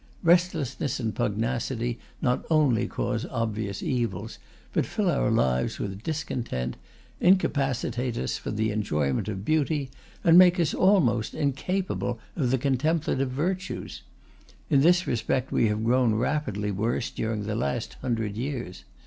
Restlessness and pugnacity not only cause obvious evils, but fill our lives with discontent, incapacitate us for the enjoyment of beauty, and make us almost incapable of the contemplative virtues. In this respect we have grown rapidly worse during the last hundred years.